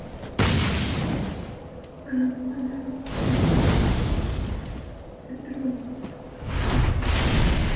কারণ তাদের মাঝে বিদ্যমান ভ্রাতৃত্বের বন্ধন সম্পর্কে সবাই অবহিত।